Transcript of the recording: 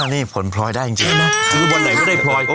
นี่ผลพลอยได้จริงนะคือวันไหนก็ได้พลอย